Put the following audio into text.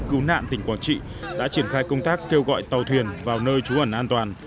cứu nạn tỉnh quảng trị đã triển khai công tác kêu gọi tàu thuyền vào nơi trú ẩn an toàn